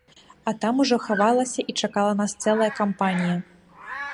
А там ужо хавалася і чакала нас цэлая кампанія.